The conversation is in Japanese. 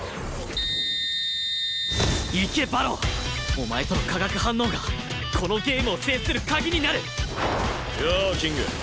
お前との化学反応がこのゲームを制する鍵になる！